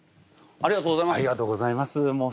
ありがとうございます。